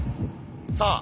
さあ